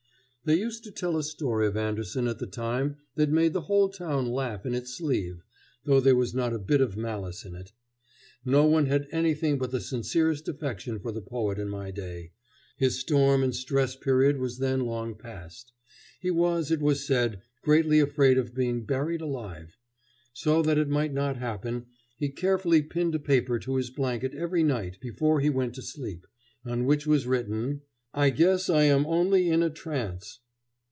They used to tell a story of Andersen at the time that made the whole town laugh in its sleeve, though there was not a bit of malice in it. No one had anything but the sincerest affection for the poet in my day; his storm and stress period was then long past. He was, it was said, greatly afraid of being buried alive. So that it might not happen, he carefully pinned a paper to his blanket every night before he went to sleep, on which was written: "I guess I am only in a trance."